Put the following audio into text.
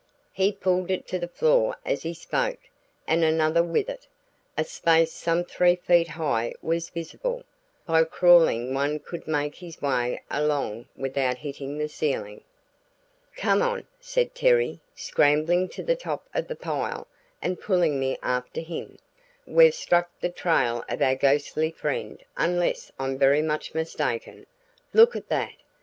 He pulled it to the floor as he spoke, and another with it. A space some three feet high was visible; by crawling one could make his way along without hitting the ceiling. "Come on!" said Terry, scrambling to the top of the pile and pulling me after him, "we've struck the trail of our ghostly friend unless I'm very much mistaken. Look at that!"